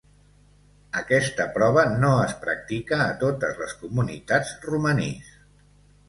Aquesta prova no es practica a totes les comunitats romanís.